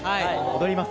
踊ります。